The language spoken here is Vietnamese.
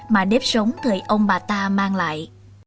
mà đếp sống thời ông bà ta mang lại